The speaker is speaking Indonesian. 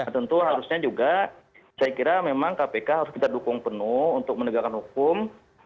tentu harusnya juga saya kira memang kpk harus kita dukung penuh untuk menegakkan hukum